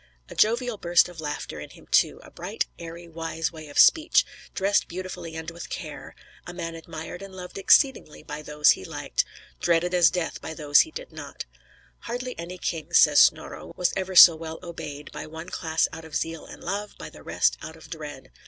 A jovial burst of laughter in him, too; a bright, airy, wise way of speech; dressed beautifully and with care; a man admired and loved exceedingly by those he liked; dreaded as death by those he did not like. "Hardly any king," says Snorro, "was ever so well obeyed, by one class out of zeal and love, by the rest out of dread."